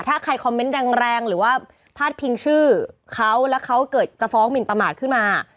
ถ้าใครคอมเมนต์แรงหรือว่าพาดพิงชื่อเขาแล้วเขาเกิดจะฟ้องหมินประมาทขึ้นมา